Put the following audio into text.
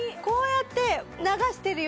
こうやって。